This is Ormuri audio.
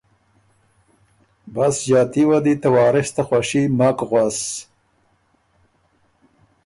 بس ݫاتي وه دی ته وارث ته خوشي مک غؤس